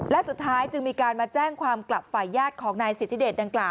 และสุดท้ายจึงมีการมาแจ้งความกลับฝ่ายญาติของนายสิทธิเดชดังกล่า